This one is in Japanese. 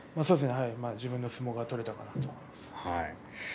自分の相撲が取れたかなと思います。